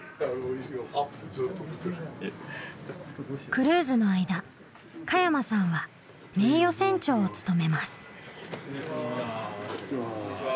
クルーズの間加山さんは名誉船長を務めます。